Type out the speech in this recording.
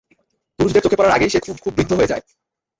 পুরুষদের চোখে পড়ার আগেই, সে খুব, খুব বৃদ্ধ হয়ে যায়।